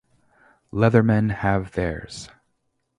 Leathermen have theirs.